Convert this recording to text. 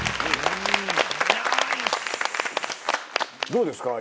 どうですか？